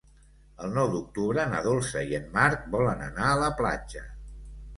El nou d'octubre na Dolça i en Marc volen anar a la platja.